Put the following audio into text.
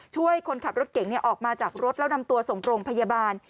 ช่วยคนขับรถเก่งออกมาจากรถแล้วนำตัวส่งโรงพยาบาล